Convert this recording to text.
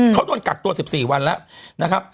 เขาโดนกักตัว๑๔วันแล้วนะครับ